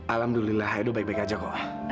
alhamdulillah itu baik baik aja kok